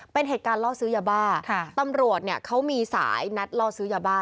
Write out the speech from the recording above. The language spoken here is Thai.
เป็นเหตุการณ์ล่อซื้อยาบ้าค่ะตำรวจเนี่ยเขามีสายนัดล่อซื้อยาบ้า